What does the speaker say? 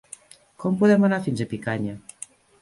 Com podem anar fins a Picanya?